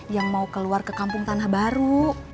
yang mau keluar ke kampung tanah baru